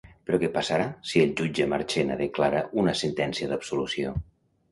Però què passarà si el jutge Marchena declara una sentència d'absolució?